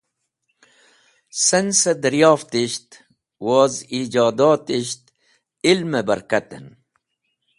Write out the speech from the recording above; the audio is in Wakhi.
Saynsẽ dẽryoftisht woz ijodotisht ilmẽ berkatẽn.